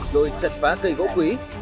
rồi chặt phá cây gỗ quý